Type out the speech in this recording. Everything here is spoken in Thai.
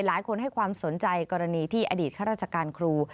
หลายคนให้ความสนใจกรณีที่อดีตข้าราชการครู